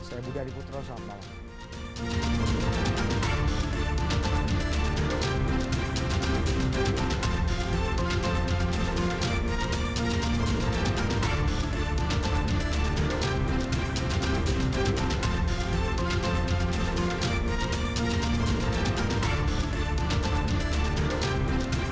saya budi adiputro selamat malam